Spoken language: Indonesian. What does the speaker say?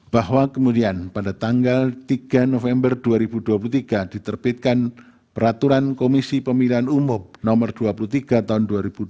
bahwa kemudian pada tanggal tiga november dua ribu dua puluh tiga diterbitkan peraturan komisi pemilihan umum no dua puluh tiga tahun dua ribu dua puluh